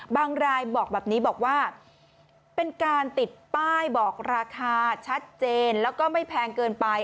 รายบอกแบบนี้บอกว่าเป็นการติดป้ายบอกราคาชัดเจนแล้วก็ไม่แพงเกินไป